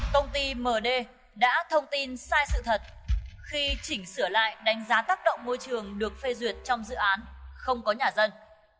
công ty md đã thông tin sai sự thật khi chỉnh sửa lại đánh giá tác động môi trường được phê duyệt trong dự án không có nhà dân